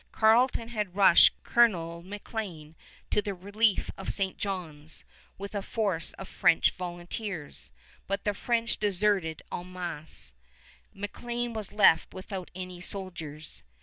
Carleton had rushed a Colonel McLean to the relief of St. John's with a force of French volunteers, but the French deserted en masse. McLean was left without any soldiers.